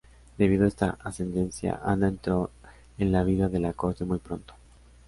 Debido a esta ascendencia, Anna entró en la vida de la corte muy pronto.